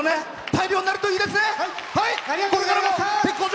大漁になるといいですね。